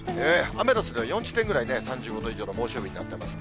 アメダスでは４地点ぐらいね、３５度以上の猛暑日になってます。